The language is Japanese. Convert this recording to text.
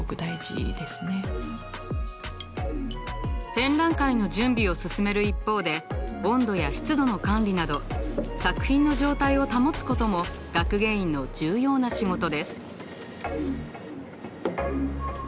展覧会の準備を進める一方で温度や湿度の管理など作品の状態を保つことも学芸員の重要な仕事です。